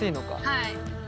はい。